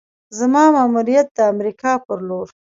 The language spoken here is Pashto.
زما ماموریت د امریکا پر لور: